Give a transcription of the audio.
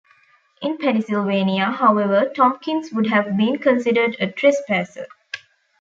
In Pennsylvania, however, Tompkins would have been considered a trespasser.